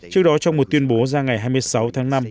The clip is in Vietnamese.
trước đó trong một tuyên bố ra ngày hai mươi sáu tháng năm